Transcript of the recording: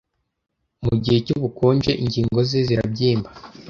Mu gihe cyubukonje, ingingo ze zirabyimba.